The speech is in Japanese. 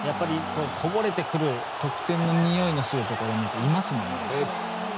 こぼれてくる得点のにおいがするところにいますもん。